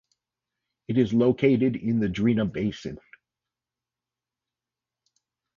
It is located in the Drina basin.